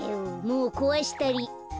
もうこわしたり。